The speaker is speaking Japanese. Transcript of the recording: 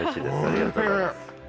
ありがとうございます